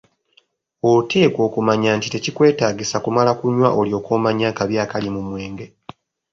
Oteekwa okumanya nti tekikwetaagisa kumala kunywa olyoke omanye akabi akali mu mwenge.